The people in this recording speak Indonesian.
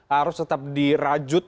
harus tetap dirajut